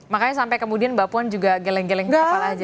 makanya sampai kemudian mbak puan juga geleng geleng apa saja